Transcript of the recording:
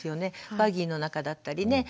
バギーの中だったりね。